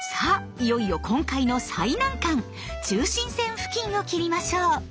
いよいよ今回の最難関中心線付近を切りましょう。